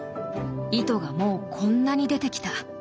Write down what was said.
糸がもうこんなに出てきた。